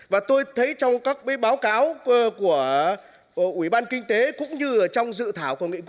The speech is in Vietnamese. và tôi thấy trong các báo cáo của ủy ban kinh tế cũng như trong dự thảo của nghị quyết